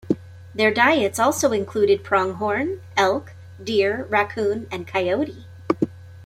Their diets also included pronghorn, elk, deer, raccoon and coyote.